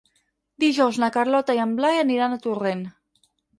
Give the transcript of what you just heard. Dijous na Carlota i en Blai aniran a Torrent.